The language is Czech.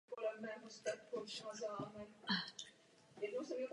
Obrannou složku bašty měly tvořit okrouhlé střílny zazděné ještě během stavby.